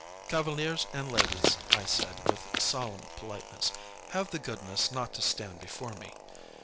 "Cavaliers and ladies," I said, with solemn politeness, "have the goodness not to stand before me."